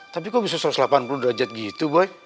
tapi kok bisa satu ratus delapan puluh derajat gitu boy